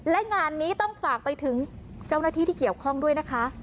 และงานนี้ต้องฝากไปถึงเจ้าหน้าที่ที่เกี่ยวข้องด้วยนะคะ